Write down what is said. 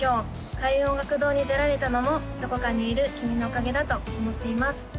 開運音楽堂に出られたのもどこかにいる君のおかげだと思っています